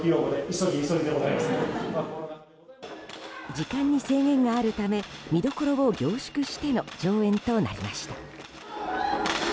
時間に制限があるため見どころを凝縮しての上演となりました。